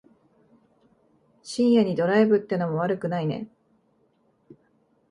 深夜にドライブってのも悪くないね。